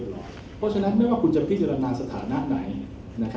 เพราะฉะนั้นไม่ว่าคุณจะพิจารณาสถานะไหน